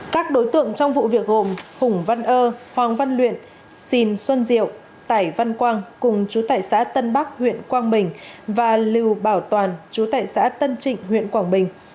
các đối tượng trong vụ việc gồm hùng văn ơ hoàng văn luyện xìn xuân diệu tải văn quang cùng chú tại xã tân bắc huyện quang bình và lưu bảo toàn chú tại xã tân trịnh huyện quảng bình